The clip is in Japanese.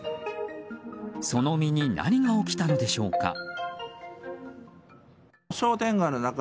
その身に何が起きたのでしょうか。